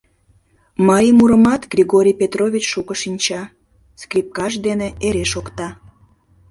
Марий мурымат Григорий Петрович шуко шинча, скрипкаж дене эре шокта.